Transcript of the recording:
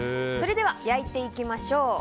それでは焼いていきましょう。